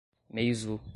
Meizu